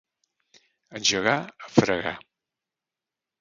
Engegar a fregar.